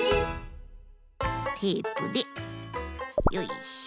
テープでよいしょ。